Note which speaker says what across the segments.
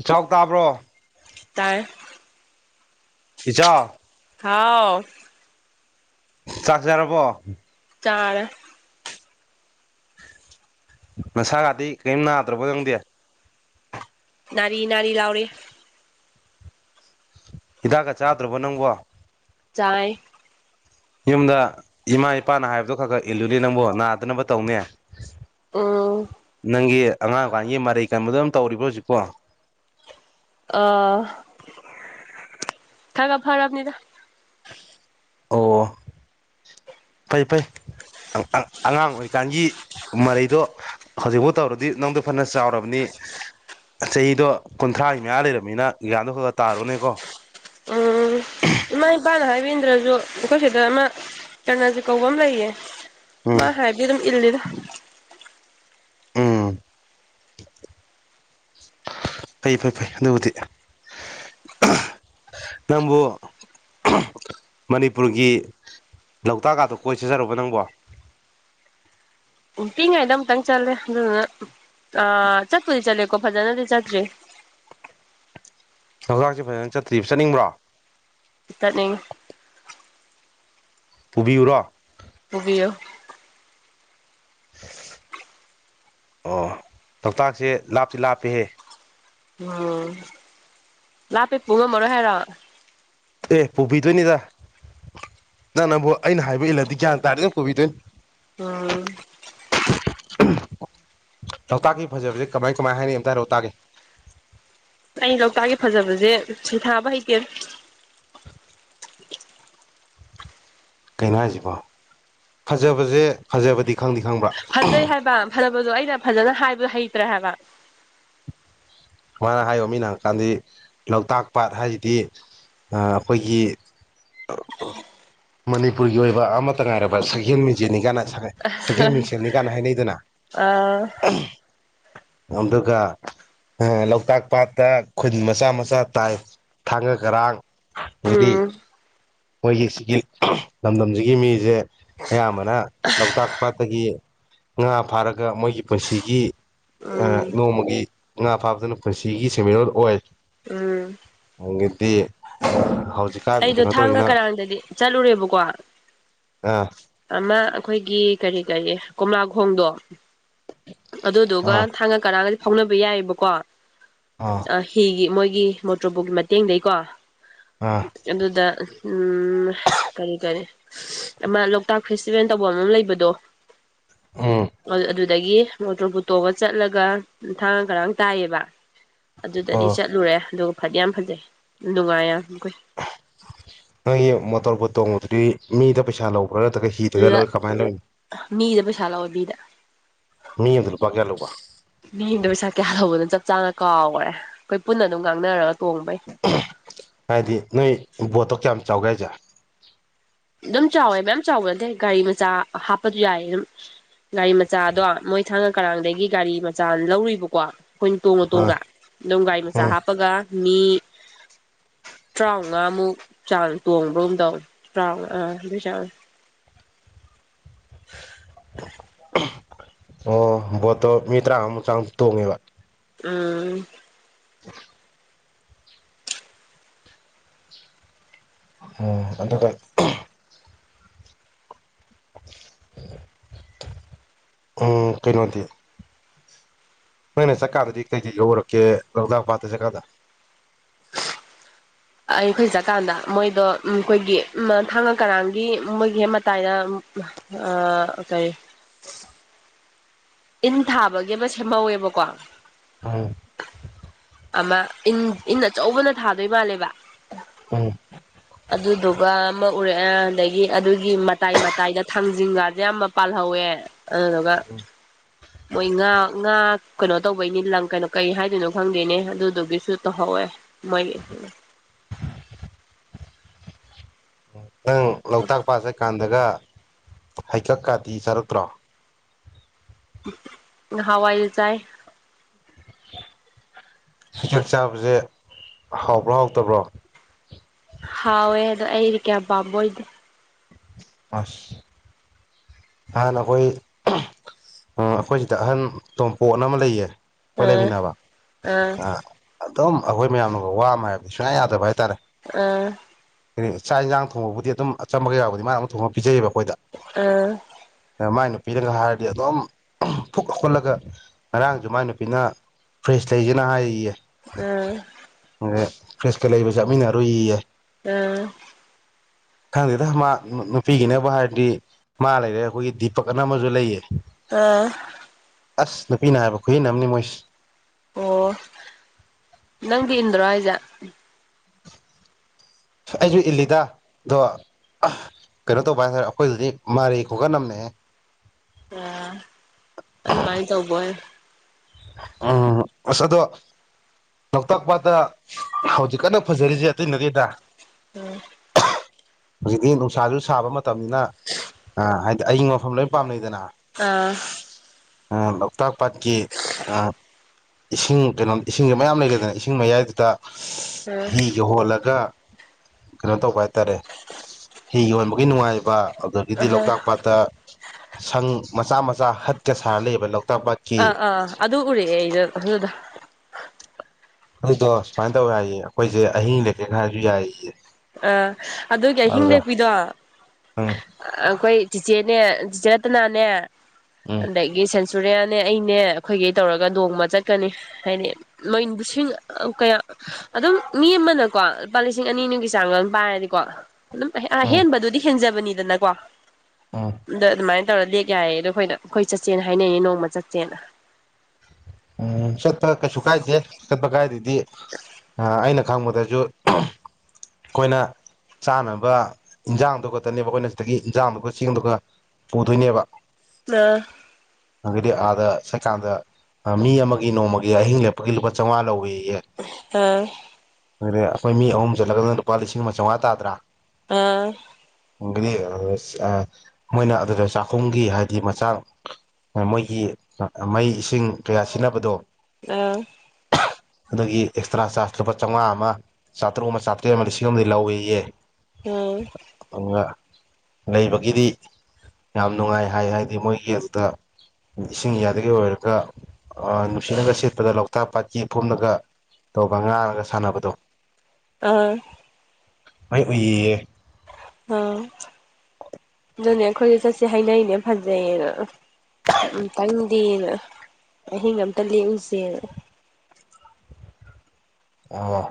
Speaker 1: ꯏꯆꯥꯎ ꯇꯥꯕ꯭ꯔꯣ
Speaker 2: ꯇꯥꯏꯌꯦ
Speaker 1: ꯏꯖꯥꯛ
Speaker 2: ꯍꯥꯎ
Speaker 1: ꯆꯥꯛ ꯆꯥꯔꯕꯣ
Speaker 2: ꯆꯥꯔꯦ
Speaker 1: ꯅꯁꯥꯒꯥꯗꯤ ꯀꯦꯝ ꯅꯥꯗ꯭ꯔꯕ ꯅꯪꯗꯤ
Speaker 2: ꯅꯥꯔꯤ ꯅꯥꯔꯤ ꯂꯥꯎꯔꯤ
Speaker 1: ꯍꯤꯗꯥꯛꯀ ꯆꯥꯗ꯭ꯔꯕꯣ ꯅꯪꯕꯣ
Speaker 2: ꯆꯥꯏ
Speaker 1: ꯌꯨꯝꯗ ꯏꯃꯥ ꯏꯄꯥꯅ ꯍꯥꯏꯕꯗꯣ ꯈꯔ ꯈꯔ ꯏꯂꯨꯅꯦ ꯅꯪꯕꯣ ꯅꯥꯗꯅꯕ ꯇꯧꯅꯦ
Speaker 2: ꯎꯝ
Speaker 1: ꯅꯪꯒꯤ ꯑꯉꯥꯡ ꯑꯣꯏꯔꯤꯀꯥꯟꯒꯤ ꯃꯔꯩ ꯀꯟꯕꯗꯣ ꯑꯗꯨꯝ ꯇꯧꯔꯤꯕꯣ ꯍꯧꯖꯤꯛꯄꯣ
Speaker 2: ꯑ ꯈꯒ ꯐꯔꯝꯅꯤꯗ
Speaker 1: ꯑꯣ ꯐꯩ ꯐꯩ ꯑꯛ ꯑꯛ ꯑꯉꯥꯡ ꯑꯣꯏꯔꯤꯀꯥꯟꯒꯤ ꯃꯔꯩꯗꯣ ꯍꯧꯖꯤꯛꯐꯥꯎ ꯇꯧꯔꯗꯤ ꯅꯪꯗꯣ ꯐꯅ ꯆꯥꯎꯔꯕꯅꯤ ꯆꯍꯤꯗꯣ ꯀꯨꯟꯊ꯭ꯔꯥꯒꯤ ꯃꯌꯥ ꯂꯩꯔꯝꯅꯤꯅ ꯒ꯭ꯌꯥꯟꯗꯣ ꯈꯒ ꯈꯒ ꯇꯥꯔꯣꯅꯦꯀꯣ
Speaker 2: ꯎꯝ ꯏꯃꯥ ꯏꯄꯥꯅ ꯍꯥꯏꯕꯤꯟꯗ꯭ꯔꯁꯨ ꯑꯩꯈꯣꯏ ꯁꯤꯗ ꯑꯃ ꯀꯔꯅꯖꯤꯠ ꯀꯧꯕ ꯑꯃ ꯂꯩꯌꯦ ꯃꯥ
Speaker 1: ꯎꯝ
Speaker 2: ꯍꯥꯏꯕꯗꯤ ꯑꯗꯨꯝ ꯏꯜꯂꯤꯗꯥ
Speaker 1: ꯎꯝ ꯐꯩ ꯐꯩ ꯐꯩ ꯑꯗꯨꯕꯨꯗꯤ [unintelligible] ꯅꯪꯕꯨ [unintelligible] ꯃꯅꯤꯄꯨꯔꯒꯤ ꯂꯣꯛꯇꯥꯛꯀꯥꯗꯣ ꯀꯣꯏ ꯆꯠꯆꯔꯕꯣ ꯅꯪꯕꯣ
Speaker 2: ꯎꯝ ꯄꯤꯛꯉꯥꯏꯗ ꯑꯃꯨꯛꯇꯪ ꯆꯠꯂꯦ ꯑꯗꯨꯗꯨꯅ ꯆꯠꯄꯨꯗꯤ ꯆꯠꯂꯦꯀꯣ ꯐꯖꯅꯗꯤ ꯆꯠꯇ꯭ꯔꯤ
Speaker 1: ꯂꯣꯛꯇꯥꯛꯁꯦ ꯐꯖꯅ ꯆꯠꯇ꯭ꯔꯤꯕ ꯆꯠꯅꯤꯡꯕ꯭ꯔꯣ
Speaker 2: ꯆꯠꯅꯤꯡ__
Speaker 1: ꯄꯨꯕꯤꯌꯨꯔꯣ
Speaker 2: ꯄꯨꯕꯤꯌꯨ
Speaker 1: ꯑꯣ ꯂꯣꯛꯇꯥꯛꯁꯦ ꯂꯥꯞꯇꯤ ꯂꯥꯞꯄꯦꯍꯦ
Speaker 2: ꯎꯝ ꯂꯥꯞꯄꯦ ꯄꯨ ꯉꯝꯃꯔꯣꯏ ꯍꯥꯏꯔꯣ
Speaker 1: ꯑꯦ ꯄꯨꯕꯤꯗꯣꯏꯅꯤꯗ ꯅꯪꯅꯕꯨ ꯑꯩꯅ ꯍꯥꯏꯕ ꯏꯜꯂꯗꯤ ꯒ꯭ꯌꯥꯟ ꯇꯥꯔꯗꯤ ꯑꯗꯨꯝ ꯄꯨꯕꯤꯗꯣꯏꯅꯤ
Speaker 2: [unintelligible]
Speaker 1: [unintelligible] ꯂꯣꯛꯇꯥꯛꯀꯤ ꯐꯖꯕꯁꯦ ꯀꯃꯥꯏ ꯀꯃꯥꯏ ꯍꯥꯏꯅꯩ ꯑꯃꯇ ꯍꯥꯏꯔꯣ ꯇꯥꯒꯦ
Speaker 2: ꯑꯩ ꯂꯣꯛꯇꯥꯛꯀꯤ ꯐꯖꯕꯁꯦ ꯁꯤꯊꯥꯕ ꯍꯩꯇꯦ
Speaker 1: ꯀꯩꯅꯣ ꯍꯥꯏꯁꯤꯕꯣ ꯐꯖꯕꯁꯦ ꯐꯖꯕꯗꯤ ꯈꯪꯗꯤ ꯈꯪꯕ꯭ꯔꯥ
Speaker 2: ꯐꯖꯩ ꯍꯥꯏꯕ ꯐꯖꯕꯗꯣ ꯑꯩꯅ ꯐꯖꯅ ꯍꯥꯏꯕꯗꯣ ꯍꯩꯇ꯭ꯔꯦ ꯍꯥꯏꯕ
Speaker 1: ꯁꯨꯃꯥꯏꯅ ꯍꯥꯏꯌꯣ ꯃꯤꯅ ꯍꯪꯉꯛꯀꯥꯟꯗꯗꯤ ꯂꯣꯛꯇꯥꯛ ꯄꯥꯠ ꯍꯥꯏꯁꯤꯗꯤ ꯑ ꯑꯩꯈꯣꯏꯒꯤ [unintelligible] ꯃꯅꯤꯄꯨꯔꯒꯤ ꯑꯣꯏꯕ ꯑꯃꯠꯇ ꯉꯥꯏꯔꯕ ꯁꯛꯍꯦꯜ ꯃꯤꯖꯦꯟꯅꯤꯒꯥꯅ [unintelligible] ꯁꯛꯍꯦꯟ ꯃꯤꯡꯁꯦꯜꯅꯤ ꯀꯥꯟꯅ ꯍꯥꯏꯅꯩꯗꯅꯥ
Speaker 2: ꯑ
Speaker 1: [unintelligible] ꯑꯗꯨꯒ [unintelligible] ꯂꯣꯛꯇꯥꯛ ꯄꯥꯠꯇ ꯈꯨꯟ ꯃꯆꯥ ꯃꯆꯥ ꯇꯥꯏ ꯊꯥꯡꯒ ꯀꯔꯥꯡ
Speaker 2: ꯎꯝ
Speaker 1: [unintelligible] ꯃꯣꯏꯒꯤ ꯁꯤꯒꯤ [unintelligible] ꯂꯝꯗꯝꯁꯤꯒꯤ ꯃꯤꯁꯦ ꯑꯌꯥꯝꯕꯅ ꯂꯣꯛꯇꯥꯛ ꯄꯥꯠ ꯑꯗꯒꯤ ꯉꯥ ꯐꯥꯔꯒ ꯃꯣꯏꯒꯤ ꯄꯨꯟꯁꯤꯒꯤ
Speaker 2: ꯎꯝ
Speaker 1: ꯅꯣꯡꯃꯒꯤ ꯉꯥ ꯐꯥꯕꯗꯨꯅ ꯄꯨꯟꯁꯤꯒꯤ ꯁꯦꯟꯃꯤꯠꯂꯣꯟ ꯑꯣꯏ
Speaker 2: ꯎꯝ
Speaker 1: ꯍꯪꯗꯤ ꯍꯧꯖꯤꯛꯀꯥꯟ
Speaker 2: ꯑꯩꯗꯣ
Speaker 1: ꯀꯩꯅꯣ
Speaker 2: ꯊꯥꯡꯒ
Speaker 1: ꯇꯧꯔꯤꯁꯤꯅ
Speaker 2: ꯀꯔꯝꯗꯗꯤ ꯆꯠꯂꯨꯔꯦꯕꯀꯣ
Speaker 1: ꯑꯥ
Speaker 2: ꯑꯃ ꯑꯩꯈꯣꯏꯒꯤ ꯀꯔꯤ ꯀꯔꯤ ꯀꯣꯝꯂꯥꯈꯣꯡꯗꯣ ꯑꯗꯨꯗꯨꯒ
Speaker 1: ꯑꯥ
Speaker 2: ꯊꯥꯡꯒ ꯀꯔꯥꯡꯒꯗꯤ ꯐꯥꯎꯅꯕ ꯌꯥꯏꯑꯕꯀꯣ
Speaker 1: ꯑꯥ
Speaker 2: ꯑ ꯍꯤꯒꯤ ꯃꯣꯏꯒꯤ ꯃꯣꯇꯣꯔꯕꯨꯛꯀꯤ ꯃꯇꯦꯡꯗꯒꯤꯩꯀꯣ
Speaker 1: ꯑꯥ
Speaker 2: ꯑꯗꯨꯗ ꯎꯝ ꯀꯔꯤ ꯀꯔꯤ ꯑꯃ ꯂꯣꯛꯇꯥꯛ ꯐꯦꯁꯇꯤꯚꯦꯜ ꯇꯧꯕ ꯑꯃ ꯂꯩꯕꯗꯣ
Speaker 1: ꯑꯥ
Speaker 2: ꯑꯗꯨꯗꯒꯤ ꯃꯣꯇꯣꯔ ꯄꯨꯠꯇꯣꯛꯑꯒ ꯆꯠꯂꯒ ꯊꯥꯡ ꯈꯔꯥꯡ ꯇꯥꯏꯌꯦꯕ ꯑꯗꯨꯗꯗꯤ
Speaker 1: ꯑꯣ
Speaker 2: ꯆꯠꯂꯨꯔꯦ ꯑꯗꯨꯒ ꯐꯗꯤ ꯌꯥꯝ ꯐꯖꯩ ꯅꯨꯡꯉꯥꯏ ꯌꯥꯝꯈꯏ
Speaker 1: ꯅꯪꯒꯤ ꯃꯣꯇꯣꯔ ꯕꯨꯣꯠ ꯇꯣꯡꯕꯗꯨꯗꯤ ꯃꯤꯗ ꯄꯩꯁꯥ ꯂꯈ꯭ꯔꯗ ꯀꯩ
Speaker 2: ꯑꯗꯨꯗ
Speaker 1: [unintelligible]
Speaker 2: ꯃꯤꯗ ꯄꯩꯁꯂ ꯑꯣꯏꯕꯤꯗ
Speaker 1: ꯃꯤ ꯑꯗꯨ ꯂꯨꯄꯥꯒꯂꯛꯧꯕ
Speaker 2: ꯃꯤꯗ ꯄꯩꯁꯥ ꯀꯌꯥ ꯂꯧꯕꯅꯣ ꯆꯞ ꯆꯥꯅ ꯀꯥꯎꯈꯔꯦ ꯑꯩꯈꯣꯏ ꯄꯨꯟꯅ ꯑꯗꯨꯝ ꯉꯥꯡꯅꯔꯒ ꯇꯣꯡꯕꯩ
Speaker 1: ꯍꯥꯏꯗꯤ ꯅꯣꯏ ꯕꯣꯠꯇꯣ ꯀꯌꯥꯝ ꯆꯥꯎꯒꯦ ꯍꯥꯏꯁꯦ
Speaker 2: ꯑꯗꯨꯝ ꯆꯥꯎꯋꯦ ꯃꯌꯥꯝ ꯆꯥꯎꯕ ꯅꯠꯇꯦ ꯒꯥꯔꯤ ꯃꯆꯥ ꯍꯥꯞꯄꯁꯨ ꯌꯥꯏ ꯑꯗꯨꯝ ꯒꯥꯔꯤ ꯃꯆꯥꯗꯣ ꯃꯣꯏ ꯊꯥꯡꯉ ꯀꯔꯥꯡꯗꯒꯤ ꯒꯥꯔꯤ ꯃꯆꯥꯅ ꯂꯧꯔꯤꯕꯀꯣ ꯑꯩꯈꯣꯏꯅ
Speaker 1: ꯑꯥ
Speaker 2: ꯇꯣꯡꯅꯇꯣꯡꯒ ꯅꯣꯡꯒꯥꯥꯏ ꯃꯆꯥ
Speaker 1: ꯎꯝ
Speaker 2: ꯍꯥꯞꯄꯒ ꯃꯤ ꯇꯔꯥꯃꯉꯥꯃꯨꯛ ꯆꯥꯡ ꯇꯣꯡꯕ꯭ꯔꯣꯒꯝꯗꯧ ꯔ꯭ꯔꯥꯎ ꯑꯥ ꯃꯖ
Speaker 1: [inaudible] ꯑꯣ ꯕꯣꯠꯇꯣ ꯃꯤ ꯇꯔꯥꯃ ꯆꯥꯡ ꯇꯣꯡꯉꯦꯕ
Speaker 2: ꯎꯝ
Speaker 1: [inaudible] ꯑꯇ ꯎꯝ ꯀꯩꯅꯣꯗꯤ ꯅꯣꯏꯅ ꯆꯥꯛꯀꯥꯗꯗꯤ ꯀꯩꯀꯩ ꯌꯧꯔꯛꯀꯦ ꯂꯣꯛꯗꯥꯛ ꯄꯥꯠꯇꯦ ꯆꯀꯥꯗ
Speaker 2: ꯑꯩ ꯑꯩꯈꯣꯏ ꯆꯠꯀꯥꯟꯗ ꯃꯣꯏꯗꯣ ꯎ ꯑꯩꯈꯣꯏꯒꯤ ꯊꯥꯡꯉ ꯀꯔꯥꯡꯒꯤ ꯃꯣꯏꯒꯤ ꯍꯦꯛ ꯃꯇꯥꯏꯗ ꯑ ꯀꯩ ꯏꯟ ꯊꯥꯕꯒꯤ ꯑꯃ ꯁꯦꯝꯍꯧꯋꯦꯕꯀꯣ
Speaker 1: [unintelligible]
Speaker 2: ꯑꯃ ꯏꯟ ꯏꯟ ꯑꯆꯧꯕꯅ ꯊꯥꯗꯣꯏ ꯃꯥꯜꯂꯦꯕ
Speaker 1: ꯎꯝ
Speaker 2: ꯑꯗꯨꯗꯨꯒ ꯑꯃ ꯎꯔꯑꯦ ꯑꯗꯒꯤ ꯑꯗꯨꯒꯤ ꯃꯇꯥꯏ ꯃꯇꯥꯏꯗ ꯊꯥꯡꯖꯤꯡꯒꯥꯁꯦ ꯌꯥꯝ ꯄꯥꯜꯍꯧꯋꯦ ꯑꯗꯨꯗꯨꯒ ꯃꯣꯏ ꯉꯥ ꯉꯥ ꯀꯩꯅꯣ ꯇꯧꯕꯩꯅꯤ ꯂꯪ ꯀꯩꯅꯣ ꯀꯩ ꯍꯥꯏꯗꯣꯏꯅꯣ ꯈꯪꯗ ꯑꯗꯨꯅꯦ ꯑꯗꯨꯗꯨꯒꯤꯁꯨ ꯇꯧꯍꯧꯋꯦ ꯃꯣꯏꯒꯤ
Speaker 1: ꯅꯪ ꯂꯣꯛꯇꯥꯛ ꯄꯥꯠ ꯆꯠ ꯀꯥꯟꯗꯒ ꯍꯩꯀꯛ ꯀꯥꯇꯤ ꯆꯥꯔꯛꯇ꯭ꯔꯣ
Speaker 2: ꯅꯍꯥꯟꯋꯥꯏ ꯆꯥꯏ
Speaker 1: ꯁꯖꯥꯛ ꯆꯥꯕꯁꯦ ꯍꯥꯎꯕ꯭ꯔꯣ ꯍꯥꯎꯇꯕ꯭ꯔꯣ
Speaker 2: ꯍꯥꯎꯦ ꯑꯗꯨ ꯑꯩꯗꯤ ꯀꯩꯌꯥ ꯄꯥꯝꯕ ꯑꯣꯏꯗꯦ
Speaker 1: ꯑ ꯑꯍꯥꯟ ꯑꯩꯈꯣꯏ ꯑꯩꯈꯣꯏ ꯁꯤꯗ ꯑꯍꯟ ꯇꯣꯝꯄꯣꯠ ꯑꯃ ꯂꯩꯌꯦ ꯑꯩꯈꯣꯏ
Speaker 2: ꯑꯥ
Speaker 1: ꯂꯩꯃꯤꯟꯅꯕ ꯑ ꯑꯗꯨꯝ ꯑꯩꯈꯣꯏ ꯃꯌꯥꯝꯅꯒ ꯋꯥ ꯑꯃ ꯍꯥꯏꯕꯗꯤ ꯁꯨꯡꯌꯥ ꯌꯥꯗꯕ ꯍꯥꯏꯇꯥꯔꯦ
Speaker 2: ꯑꯝ
Speaker 1: ꯀ ꯆꯥꯛ ꯌꯦꯟꯁꯥꯡ ꯊꯣꯡꯕꯕꯨꯗꯤ ꯑꯗꯨꯝ ꯑꯝꯕꯒ ꯌꯥꯎꯕꯗꯤ ꯃꯥꯅ ꯑꯃ ꯊꯣꯡꯕꯤꯖꯩꯌꯦꯕ ꯑꯩꯈꯣꯏꯗ
Speaker 2: ꯑꯥ
Speaker 1: ꯃꯥꯏ ꯅꯨꯄꯤꯔꯒ ꯍꯥꯏꯔꯗꯤ ꯑꯗꯨꯝ ꯐꯨꯛ ꯂꯧꯈꯠꯂꯒ ꯉꯔꯥꯡꯁꯨ ꯃꯥꯏ ꯅꯨꯄꯤꯅ ꯐ꯭ꯔꯦꯁ ꯂꯩꯁꯤꯦꯅ ꯍꯥꯏꯔꯤꯌꯦ
Speaker 2: ꯎꯝ
Speaker 1: ꯑ ꯐ꯭ꯔꯦꯁꯀ ꯂꯩꯕ ꯆꯠꯃꯤꯟꯅꯔꯨꯏꯌꯦꯏ
Speaker 2: ꯎꯝ
Speaker 1: ꯈꯪꯗꯦꯗ ꯃꯥ ꯅꯨꯄꯤꯒꯤꯅꯕ ꯍꯥꯏꯔꯗꯤ ꯃꯥ ꯂꯩꯔꯦ ꯑꯩꯈꯣꯏꯒꯤ ꯗꯤꯄꯛ ꯑꯅ ꯑꯃꯁꯨ ꯂꯩꯌꯦ
Speaker 2: ꯑꯥ
Speaker 1: ꯑꯁ ꯅꯨꯄꯤꯅ ꯍꯥꯏꯕ ꯈꯨꯨꯏꯟꯅ ꯑꯃꯅꯤꯅꯤ ꯃꯣꯏꯁ
Speaker 2: ꯑꯣ ꯅꯪꯗꯤ ꯏꯟꯗ꯭ꯔꯣ ꯍꯥꯏꯁꯦ
Speaker 1: ꯑꯩꯁꯨ ꯏꯜꯂꯤꯗ ꯑꯗꯣ ꯀꯩꯅꯣ ꯇꯧꯕ ꯍꯥꯏꯇꯥꯔꯦ ꯑꯩꯈꯣꯏꯗꯗꯤ ꯃꯥ [unintelligible]
Speaker 2: ꯑ ꯑꯗꯨꯃꯥꯏꯅ ꯇꯧꯕꯣꯏ
Speaker 1: ꯎꯝ ꯑꯗꯣ ꯂꯣꯛꯇꯥꯛ ꯄꯥꯠꯇ ꯍꯧꯖꯤꯛ ꯀꯟꯅ ꯐꯖꯔꯤꯁꯦ ꯑꯇꯩꯅ ꯀꯩꯗ
Speaker 2: ꯎꯝ
Speaker 1: ꯍꯧꯖꯤꯛꯇꯤ ꯅꯨꯡꯁꯥꯁꯨ ꯁꯥꯕ ꯃꯇꯝꯅꯤꯅ ꯍꯥꯏꯗꯤ ꯑꯩꯒꯤ ꯃꯐꯝ ꯂꯣꯏꯅ ꯄꯥꯝꯅꯩꯗꯅ
Speaker 2: ꯑꯥ
Speaker 1: ꯎꯝ ꯂꯣꯛꯇꯥꯛ ꯄꯥꯠꯀꯤ ꯑ ꯏꯁꯤꯡ ꯀꯩꯅꯣ ꯏꯁꯤꯡꯁꯦ ꯃꯌꯥꯝ ꯂꯩꯔꯦꯗꯅ ꯏꯁꯤꯡ ꯃꯌꯥꯏꯗꯨꯗ
Speaker 2: ꯎꯝ
Speaker 1: ꯌꯧꯍꯣꯜꯂꯒ ꯀꯩꯅꯣ ꯇꯧꯕ ꯍꯥꯏꯇꯥꯔꯦ ꯍꯤ ꯌꯣꯟꯕꯒꯤ ꯅꯨꯡꯉꯥꯏꯕ ꯑꯗꯨꯗꯒꯤꯗꯤ
Speaker 2: ꯑꯍꯥ
Speaker 1: ꯂꯣꯛꯇꯥꯛ ꯄꯥꯠꯇ ꯁꯪ ꯃꯆꯥ ꯃꯆꯥ ꯍꯠꯀ ꯁꯥꯔ ꯂꯩꯌꯦꯕ ꯂꯣꯛꯇꯥꯛ ꯄꯥꯠ
Speaker 2: ꯑꯥ ꯑ ꯑꯗꯨ ꯎꯔꯛ ꯑꯗꯨꯗ
Speaker 1: ꯑꯗꯨꯗꯣ ꯁꯨꯃꯥꯏꯅ ꯇꯧꯋꯦ ꯍꯥꯏꯏꯌꯦ ꯑꯩꯈꯣꯏꯁꯦ ꯑꯍꯤꯡ ꯂꯩꯀꯦ ꯍꯥꯏꯔꯁꯨ ꯌꯥꯏꯌꯦ
Speaker 2: ꯑꯥ ꯑꯗꯨꯒꯤ ꯑꯍꯤꯡ
Speaker 1: ꯑꯗꯨꯗ
Speaker 2: ꯂꯦꯛꯄꯤꯗꯣ
Speaker 1: ꯎꯝ
Speaker 2: ꯑꯩꯈꯣꯏ ꯆꯤꯆꯦꯅꯦ ꯆꯆꯦ ꯔꯠꯇꯅꯥꯅꯦꯦ
Speaker 1: ꯎꯝ
Speaker 2: ꯑ ꯒꯤ ꯁꯦꯟꯆꯨꯔꯤꯌꯥꯅꯦ ꯑꯩꯅꯦ ꯑꯩꯈꯣꯏꯒꯤ ꯇꯧꯔꯒ ꯅꯣꯡꯃ ꯆꯠꯀꯅꯤ ꯍꯥꯏꯗꯤ ꯃꯣꯏ ꯂꯤꯁꯤꯡ ꯀꯌꯥ ꯑꯗꯨꯝ ꯃꯤ ꯑꯃꯅꯀꯣ ꯂꯨꯄꯥ ꯂꯤꯁꯤꯡ ꯑꯅꯤꯒꯤ ꯆꯥꯡꯒ ꯄꯥꯏꯔꯗꯤꯀꯣ ꯑꯗꯨꯝ
Speaker 1: ꯎꯝ
Speaker 2: ꯑꯍꯦꯟꯕꯗꯨꯗꯤ ꯍꯦꯟꯖꯕꯅꯤꯗꯅꯀꯣ ꯑꯝ
Speaker 1: ꯎꯝ
Speaker 2: ꯗ ꯑꯗꯨꯃꯥꯏꯅ ꯇꯧꯔ ꯂꯦꯛ ꯌꯥꯏꯌꯦ ꯑꯗꯣ ꯑꯩꯈꯣꯏꯅ ꯑꯩꯈꯣꯏ ꯆꯠꯁꯦꯅ ꯍꯥꯏꯅꯩꯅꯦ ꯅꯣꯡꯃ ꯆꯠꯁꯦꯅ
Speaker 1: ꯎꯝ ꯆꯠꯄ ꯀꯩꯁꯨ ꯀꯥꯏꯗꯦ ꯆꯠꯄ ꯀꯥꯏꯗꯗꯤ ꯑꯩꯅ ꯈꯪꯕꯗꯁꯨ ꯑꯩꯈꯣꯏꯅ ꯆꯥꯅꯕ ꯏꯟꯖꯥꯡꯗꯨ ꯈꯛꯇꯅꯦꯕ ꯑꯩꯈꯣꯏꯅ ꯁꯤꯗꯒꯤ ꯏꯟꯖꯥꯡꯗꯨꯒ ꯆꯦꯡꯗꯨꯒ ꯄꯨꯗꯣꯏꯅꯦꯕ
Speaker 2: ꯑ
Speaker 1: ꯑꯗꯨꯪꯗꯤ ꯑꯥꯗ ꯁꯀꯥꯟꯗ ꯃꯤ ꯑꯃꯒꯤ ꯅꯣꯡꯃꯒꯤ ꯑꯍꯤꯡ ꯂꯦꯞꯄꯒꯤ ꯂꯨꯄꯥ ꯆꯥꯝꯃꯉꯥ ꯂꯧꯋꯤ
Speaker 2: ꯑꯝ
Speaker 1: ꯑꯗꯨ ꯑꯩꯈꯣꯏ ꯃꯤ ꯑꯍꯨꯝ ꯆꯠꯂꯒꯗꯅ ꯂꯨꯄꯥ ꯂꯤꯁꯤꯡ ꯑꯃ ꯆꯥꯝꯉ ꯇꯥ꯭ꯔꯥ
Speaker 2: ꯑꯝ
Speaker 1: ꯃꯗꯤ ꯑ ꯑ ꯃꯣꯏꯅ ꯑꯗꯨꯗ ꯆꯥꯛꯈꯨꯝꯒꯤ ꯍꯥꯏꯗꯤ ꯃꯆꯥꯛ ꯃꯣꯏꯒꯤ ꯃꯩ ꯏꯁꯤꯡ ꯀꯌꯥ ꯁꯤꯖꯤꯟꯅꯕꯗꯣ
Speaker 2: ꯑꯥ
Speaker 1: ꯑꯗꯒꯤ ꯑꯦꯛꯁꯇ꯭ꯔꯥ ꯆꯥꯔꯖ ꯂꯨꯄꯥ ꯆꯥꯝꯃꯉꯥ ꯑꯃ ꯆꯥꯇ꯭ꯔꯨꯛ ꯑꯃ ꯆꯥꯇ꯭ꯔꯦꯠ ꯑꯃꯗꯤ ꯁꯤ ꯑꯃꯗꯤ ꯂꯧꯏꯤꯌꯦ
Speaker 2: ꯑꯥ
Speaker 1: ꯑꯗꯨꯒ ꯂꯩꯕꯒꯤꯗꯤ ꯌꯥꯝ ꯅꯨꯡꯉꯥꯏ ꯍꯥꯏ ꯍꯥꯏꯗꯤ ꯃꯣꯏꯒꯤ ꯑꯗꯨꯗ ꯏꯁꯤꯡ ꯌꯥꯗꯒꯤ ꯑꯣꯏꯔꯒ ꯅꯨꯡꯁꯤꯠꯅꯒ ꯁꯤꯠꯄꯗ ꯂꯣꯛꯇꯥꯛ ꯄꯥꯠꯀꯤ ꯏꯄꯣꯝꯗꯒ ꯇꯧꯕ ꯉꯥꯡꯔꯒ ꯁꯥꯟꯅꯕꯗꯣ
Speaker 2: ꯑꯥ
Speaker 1: ꯑꯩ ꯎꯏꯌꯦꯌꯦ
Speaker 2: ꯑꯥ ꯑꯗꯨꯅꯦ ꯑꯩꯈꯣꯏꯁꯨ ꯆꯠꯁꯦ ꯍꯥꯏꯅꯩꯅꯦ ꯐꯖꯩꯌꯦꯅ ꯑꯥꯝꯇꯪꯗꯤꯅ ꯑꯍꯤꯡ ꯑꯝꯇ ꯂꯦꯛꯎꯁꯦꯅ
Speaker 1: ꯑꯣ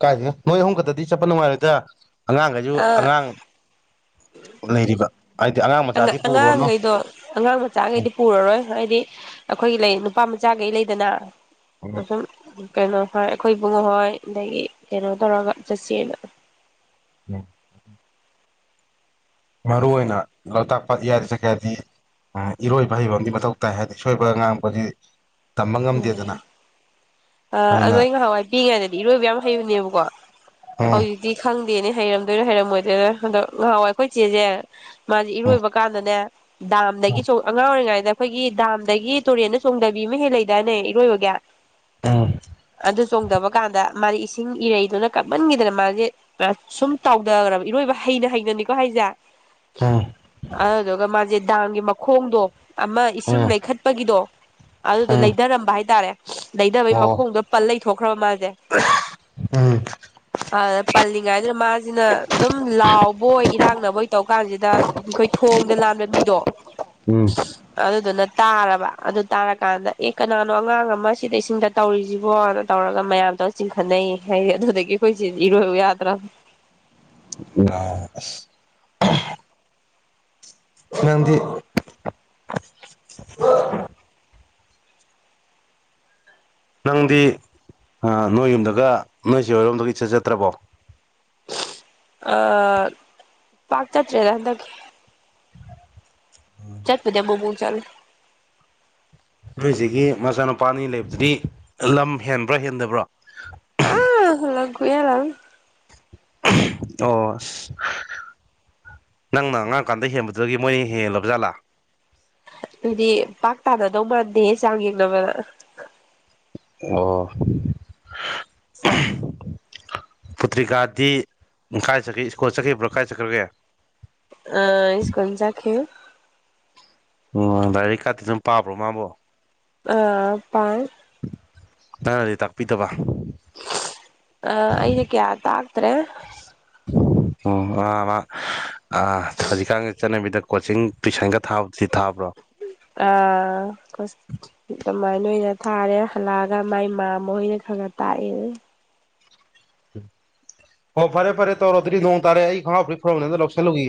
Speaker 1: ꯀꯥꯏꯗꯅ ꯅꯣꯏ ꯑꯍꯨꯝ ꯈꯛꯇꯗꯤ ꯆꯠꯄ ꯅꯨꯡꯉꯥꯏꯔꯣꯏꯗ꯭ꯔ ꯑꯉꯥꯡꯈꯩꯁꯨ
Speaker 2: ꯑꯥ
Speaker 1: ꯑꯉꯥꯡ ꯂꯩꯔꯤꯕ ꯍꯥꯏꯗꯤ ꯑꯉꯥꯡ ꯃꯆꯥꯗꯤ ꯄꯨꯔꯣꯅꯨ
Speaker 2: ꯑꯉꯥꯡꯈꯩꯗꯣ ꯑꯉꯥꯡ ꯃꯆꯥꯈꯩꯗꯤ ꯄꯨꯔꯔꯣꯏ ꯍꯥꯏꯗꯤ ꯑꯩꯈꯣꯏꯒꯤ ꯂꯩ ꯅꯨꯄꯥ ꯃꯆꯥꯈꯩ ꯂꯩꯗꯅ
Speaker 1: ꯎꯝ
Speaker 2: ꯁꯨꯝ ꯀꯩꯅꯣ ꯍꯣꯏ ꯑꯩꯈꯣꯏ ꯕꯨꯡꯉꯣꯍꯣꯏ ꯑꯗꯒꯤ ꯀꯩꯅꯣ ꯇꯧꯔꯒ ꯆꯠꯁꯦꯅ
Speaker 1: [unintelligible] ꯃꯔꯨꯏ ꯑꯣꯏꯅ ꯂꯣꯛꯇꯥꯛ ꯄꯥꯠ ꯏꯌꯥꯏꯗ ꯆꯠꯀꯦ ꯍꯥꯏꯔꯗꯤ ꯏꯔꯣꯏꯕ ꯍꯩꯕꯝꯗꯤ ꯃꯊꯧ ꯇꯥꯏ ꯍꯥꯏꯗꯤ ꯁꯣꯏꯕ ꯉꯥꯡꯕꯁꯤ ꯉꯝꯗꯦꯗꯅ
Speaker 2: ꯑ ꯑꯗꯣ
Speaker 1: ꯑꯗꯨꯅ
Speaker 2: ꯑꯩ ꯉꯍꯥꯟꯋꯥꯏ ꯄꯤꯏꯉꯩꯗꯗꯤ ꯏꯔꯣꯏꯕ ꯌꯥꯝ ꯍꯩꯕꯅꯦꯕꯀꯣ
Speaker 1: ꯎꯝ
Speaker 2: ꯍꯧꯖꯤꯛ ꯗꯤ ꯈꯪꯗꯦꯅꯦ ꯍꯩꯔꯝꯗꯣꯏꯔ ꯍꯔꯝꯃꯣꯏꯗꯣꯏꯔꯥ ꯑꯗꯣ ꯉꯍꯥꯟꯋꯥꯏ ꯑꯩꯈꯣꯏ ꯆꯦꯁꯦ ꯃꯥꯁꯦ
Speaker 1: ꯎꯝ
Speaker 2: ꯏꯔꯣꯏꯕ ꯀꯥꯟꯗꯅꯦ ꯗꯥꯝꯗꯒꯤꯁꯨ ꯑꯉꯥꯡ ꯑꯣꯏꯔꯤꯉꯩꯗ ꯑꯩꯈꯣꯏꯒꯤ ꯗꯥꯝꯗꯒꯤ ꯇꯨꯔꯦꯟꯗ ꯆꯣꯡꯗꯕꯤ ꯑꯃ ꯍꯦꯛ ꯂꯩꯗꯥꯏꯅꯦ ꯏꯔꯣꯏꯕꯒ
Speaker 1: ꯎꯝ
Speaker 2: ꯑꯗꯨ ꯆꯣꯡꯊꯕ ꯀꯥꯟꯗ ꯃꯥꯗꯤ ꯏꯁꯤꯡ ꯏꯔꯩꯗꯨꯅ ꯀꯟꯃꯟꯒꯤꯗꯅ ꯃꯥꯁꯦ ꯁꯨꯝ ꯇꯥꯎꯗꯈꯒ꯭ꯔꯥꯕ ꯏꯔꯣꯏꯕ ꯍꯩꯅ ꯍꯩꯅꯅꯤꯀꯣ ꯍꯥꯏꯁꯦ
Speaker 1: ꯎꯝ
Speaker 2: ꯑꯗꯨꯗꯨꯒ ꯃꯥꯁꯦ ꯗꯥꯝꯒꯤ ꯃꯈꯣꯡꯗꯣ ꯑꯃ ꯏꯁꯤꯡ
Speaker 1: ꯎꯝ
Speaker 2: ꯂꯩꯈꯠꯄꯒꯤꯗꯣ ꯑꯗꯨꯗꯣ
Speaker 1: ꯎꯝ
Speaker 2: ꯂꯩꯗꯔꯝꯕ ꯍꯥꯏꯇꯥꯔꯦ ꯂꯩꯗꯕꯩ
Speaker 1: ꯑꯣ
Speaker 2: ꯃꯈꯣꯡꯗꯣ ꯄꯜ ꯂꯩꯊꯣꯛꯈ꯭ꯔꯕ ꯃꯥꯁꯦ
Speaker 1: ꯎꯝ
Speaker 2: ꯑ ꯄꯜꯂꯤꯉꯥꯏꯗꯨꯅ ꯃꯥꯁꯤꯅ ꯑꯗꯨꯝ ꯂꯥꯎꯕꯣꯏ ꯏꯔꯥꯡꯅꯕꯣꯏ ꯇꯧ ꯀꯥꯟꯁꯤꯗ ꯑꯩꯈꯣꯏ ꯊꯣꯡꯗ ꯂꯥꯟꯕ ꯃꯤꯗꯣ
Speaker 1: ꯎꯝ
Speaker 2: ꯑꯗꯨꯗꯨꯅ ꯇꯥꯔꯕ ꯑꯗꯨ ꯇꯥꯔꯀꯥꯟꯗ ꯑꯦ ꯀꯅꯥꯅꯣ ꯑꯉꯥꯡ ꯑꯃ ꯁꯤꯗ ꯏꯁꯤꯡꯗ ꯇꯧꯔꯤꯁꯤꯕꯣꯅ ꯇꯧꯔꯒ ꯃꯌꯥꯝꯇꯧꯔꯥ ꯆꯤꯡꯈꯠꯅꯩꯌꯦ ꯍꯥꯏꯗꯤ ꯑꯗꯨꯗꯒꯤ ꯑꯩꯈꯣꯏ ꯆꯦꯖꯦ ꯏꯔꯣꯏꯌꯨ ꯌꯥꯗ꯭ꯔꯥꯝ
Speaker 1: [unintelligible] ꯅꯪꯗꯤ ꯅꯪꯗꯤ ꯑꯥ ꯅꯣꯏ ꯌꯨꯝꯗꯒ ꯅꯣꯏꯆꯦ ꯍꯣꯔꯣꯝꯗꯒꯤ ꯏꯆꯠ ꯆꯠꯇ꯭ꯔꯥꯕꯣ
Speaker 2: ꯑ ꯄꯥꯛ ꯆꯠꯇ꯭ꯔꯦꯗ ꯍꯟꯗꯛꯀꯤ ꯆꯠꯄꯗꯤ ꯑꯃꯨꯛ ꯃꯨꯛ ꯆꯠꯂꯦ
Speaker 1: ꯅꯣꯏꯆꯦꯒꯤ ꯃꯆꯥꯅꯨꯄꯥ ꯑꯅꯤ ꯂꯩꯕꯗꯨꯗꯤ ꯂꯝ ꯍꯦꯟꯕ꯭ꯔꯥ ꯍꯦꯟꯗꯕ꯭ꯔꯥ
Speaker 2: ꯂꯝ ꯈꯨꯍꯦꯟ ꯑꯃ
Speaker 1: [unintelligible] ꯑꯣ ꯅꯪꯅ ꯑꯉꯥꯡ ꯀꯥꯟꯗ ꯍꯦꯟꯕꯗꯨꯗꯒꯤ ꯃꯣꯏꯅ ꯍꯦꯜꯂꯕ ꯖꯥꯠꯂꯥ
Speaker 2: ꯑꯗꯨꯗꯤ ꯄꯥꯛ ꯇꯥꯅꯗꯧ ꯃꯥꯟꯗꯦ ꯆꯥꯡ ꯌꯦꯡꯅꯕꯗ
Speaker 1: ꯑꯣ [unintelligible] ꯄꯨꯇ꯭ꯔꯤꯀꯥꯗꯤ ꯀꯥꯏ ꯆꯠꯈꯤ ꯁ꯭ꯀꯣꯜ ꯆꯠꯈꯤꯕ꯭ꯔꯣ ꯀꯥꯏ ꯆꯠꯈ꯭ꯔꯒꯦ
Speaker 2: ꯑ ꯁ꯭ꯀꯨꯜ ꯆꯠꯈꯤ
Speaker 1: ꯎꯝ ꯂꯥꯏꯔꯤꯛ ꯀꯥꯇꯤ ꯑꯗꯨꯝ ꯄꯥꯕ꯭ꯔꯣ ꯃꯥꯕꯣ
Speaker 2: ꯑ [unintelligible]
Speaker 1: ꯅꯪꯅꯗꯤ ꯇꯥꯛꯄꯤꯗꯕ
Speaker 2: ꯑ ꯑꯩꯅ ꯀꯌꯥ ꯇꯥꯛꯇ꯭ꯔꯦ
Speaker 1: ꯑꯣ ꯑ ꯑꯥ ꯍꯧꯖꯤꯛꯀꯥꯟꯒꯤ ꯆꯠꯅꯕꯤꯗ ꯀꯣꯆꯤꯡ ꯇꯨꯏꯁꯟꯒ ꯊꯥꯕꯗꯨꯗꯤ ꯊꯥꯕ꯭ꯔꯣ
Speaker 2: ꯑꯥ ꯑꯗꯨꯃꯥꯏꯅ ꯑꯣꯏꯅ ꯊꯥꯔꯦ ꯍꯜꯂꯛꯑꯒ ꯃꯥꯏ ꯏꯃꯥ ꯃꯈꯣꯏꯅ ꯈꯔ ꯈꯔ ꯇꯥꯛꯑꯦ
Speaker 1: ꯍꯣ ꯐꯔꯦ ꯐꯔꯦ ꯇꯧ ꯔꯣꯇꯔꯤ ꯅꯣꯡ ꯇꯥꯔꯦ ꯑꯩ ꯈꯪ ꯐ ꯐ꯭ꯔꯣꯕꯅꯦꯗ ꯂꯧꯁꯜꯂꯨꯒꯤ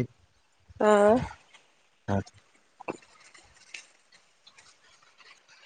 Speaker 2: ꯑꯥ
Speaker 1: ꯑ